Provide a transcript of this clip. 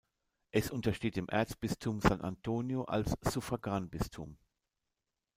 Es untersteht dem Erzbistum San Antonio als Suffraganbistum.